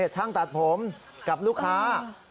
ช่างตัดผมกับลูกค้า